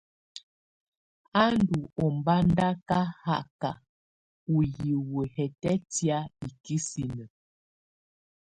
Á ndù ɔmbadaka haka ù hiwǝ hɛtɛtɛ̀á ikisinǝ.